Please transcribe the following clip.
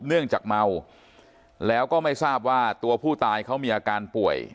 เนื่องจากเมาแล้วก็ไม่ทราบว่าตัวผู้ตายเขามีอาการป่วย